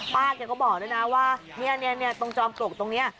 ป้าแกก็บอกด้วยนะว่าตรงจอมปลวกตรงนี้